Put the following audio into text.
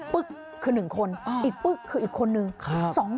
ึ๊กคือ๑คนอีกปึ๊กคืออีกคนนึง